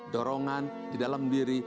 dorongan di dalam diri